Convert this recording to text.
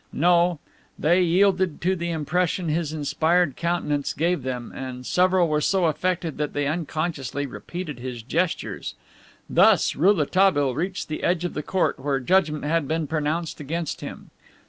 No, they yielded to the impression his inspired countenance gave them, and several were so affected that they unconsciously repeated his gestures. Thus Rouletabille reached the edge of the court where judgment had been pronounced against him.